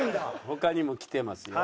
他にもきてますよ。